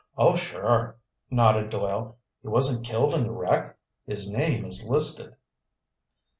"Oh, sure," nodded Doyle. "He wasn't killed in the wreck?" "His name is listed."